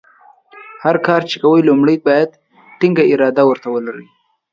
هر کار چې کوې لومړۍ باید ټینګه اراده ورته ولرې.